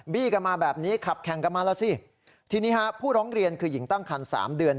กันมาแบบนี้ขับแข่งกันมาแล้วสิทีนี้ฮะผู้ร้องเรียนคือหญิงตั้งคันสามเดือน